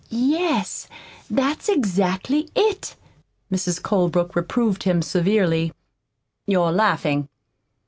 "Yes, that's exactly it," Mrs. Colebrook reproved him severely. "You're laughing.